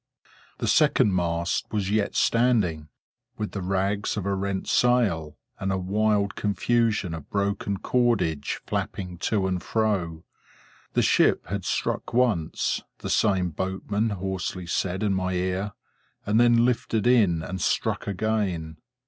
The second mast was yet standing, with the rags of a rent sail, and a wild confusion of broken cordage flapping to and fro. The ship had struck once, the same boatman hoarsely said in my ear, and then lifted in and struck again.